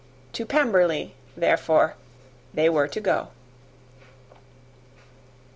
To Pemberley, therefore, they were to go.